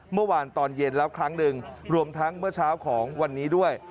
เมื่อวานตอนเย็นแล้วครั้งหนึ่งรวมทั้งเมื่อเช้าของวันนี้ด้วย